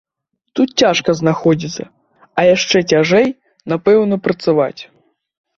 Тут цяжка знаходзіцца, а яшчэ цяжэй, напэўна, працаваць.